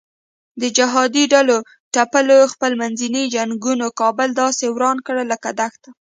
د جهادي ډلو ټپلو خپل منځي جنګونو کابل داسې وران کړ لکه دښته.